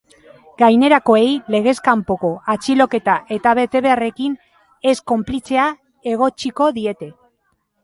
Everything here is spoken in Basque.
Gainerakoei legez kanpoko atxiloketa eta betebeharrekin ez konplitzea egotziko diete.